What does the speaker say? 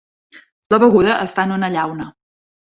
La beguda està en una llauna.